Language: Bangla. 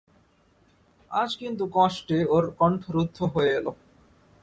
আজ কিন্তু কষ্টে ওর কণ্ঠ রুদ্ধ হয়ে এল।